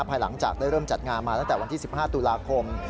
ภายหลังจากได้เริ่มจัดงานมาตั้งแต่วันที่๑๕ตุลาคม